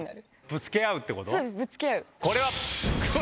ぶつけ合うってこと？